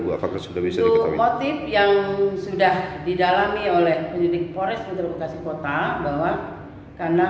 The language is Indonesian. buat apa kesudah bisa motif yang sudah didalami oleh penyelidik forest metropikasi kota bahwa karena